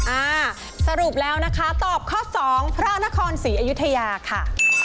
อ่าสรุปแล้วนะคะตอบข้อสองพระนครศรีอยุธยาค่ะ